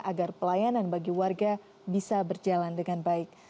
agar pelayanan bagi warga bisa berjalan dengan baik